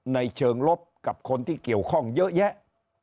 ในเชิงลบกับคนที่เกี่ยวข้องเยอะแยะ